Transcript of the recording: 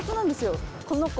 この子。